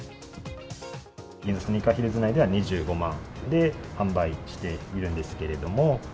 ギンザスニーカーヒルズ内では２５万で販売しているんですけれども。